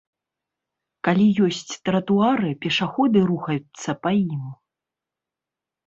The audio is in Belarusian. Калі ёсць тратуары, пешаходы рухаюцца па ім.